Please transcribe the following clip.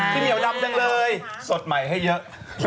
เหนียวดำจังเลยสดใหม่ให้เยอะ